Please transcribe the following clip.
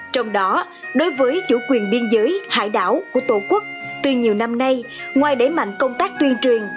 trong đó đối với chủ quyền biên giới hải đảo của tổ quốc từ nhiều năm nay ngoài đẩy mạnh công tác tuyên truyền